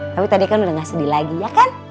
tapi tadi kan udah gak sedih lagi ya kan